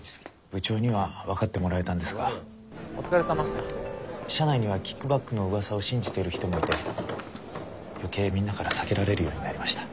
部長には分かってもらえたんですが社内にはキックバックのうわさを信じている人もいて余計みんなから避けられるようになりました。